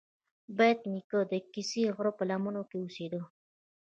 بېټ نیکه د کسي غره په لمنو کې اوسیده.